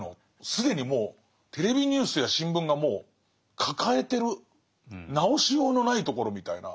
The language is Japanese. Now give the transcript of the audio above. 既にもうテレビニュースや新聞がもう抱えてる直しようのないところみたいな。